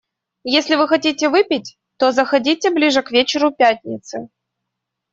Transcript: Если вы хотите выпить, то заходите ближе к вечеру пятницы.